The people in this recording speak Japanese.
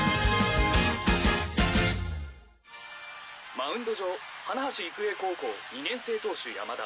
マウンド上花橋育栄高校２年生投手山田。